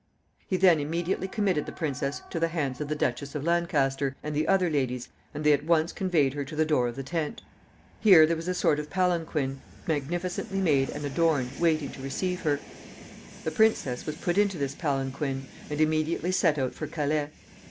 He then immediately committed the princess to the hands of the Duchess of Lancaster, and the other ladies, and they at once conveyed her to the door of the tent. Here there was a sort of palanquin, magnificently made and adorned, waiting to receive her. The princess was put into this palanquin, and immediately set out for Calais.